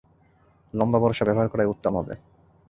লম্বা বর্শা ব্যবহার করাই উত্তম হবে।